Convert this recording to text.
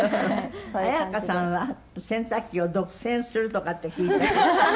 ＡＹＡＫＡさんは洗濯機を独占するとかって聞いたけど。